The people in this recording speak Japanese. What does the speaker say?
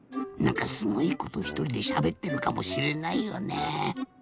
なんかすごいことひとりでしゃべってるかもしれないよね。